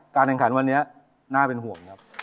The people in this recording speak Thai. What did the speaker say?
แข่งขันวันนี้น่าเป็นห่วงครับ